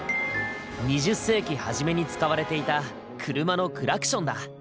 ２０世紀初めに使われていた車のクラクションだ。